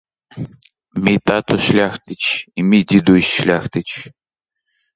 Мій тато шляхтич, і мій дідусь шляхтич.